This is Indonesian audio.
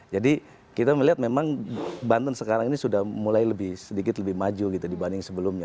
jadi kita melihat memang banten sekarang ini sudah mulai sedikit lebih maju dibanding sebelumnya